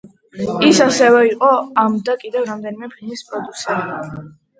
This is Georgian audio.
ის ასევე იყო ამ და კიდევ რამდენიმე ფილმის პროდიუსერი.